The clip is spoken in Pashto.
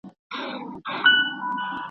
د کابل په صنعت کي کارګران څه رول لري؟